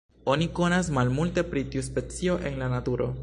Oni konas malmulte pri tiu specio en la naturo.